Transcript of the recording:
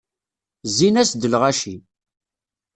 Zzin-as-d lɣaci.